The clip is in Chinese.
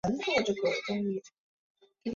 康楚元自称南楚霸王。